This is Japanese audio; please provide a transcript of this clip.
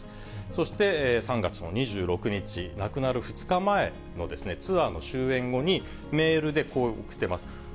そして３月の２６日、亡くなる２日前のツアーの終演後に、メールでこう送っています。